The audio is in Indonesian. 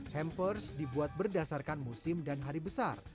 hampers dibuat berdasarkan musim dan hari besar